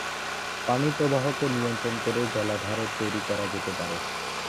পানির প্রবাহকে নিয়ন্ত্রণ করে জলাধার তৈরী করা যেতে পারে।